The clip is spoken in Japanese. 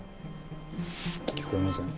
聞こえません？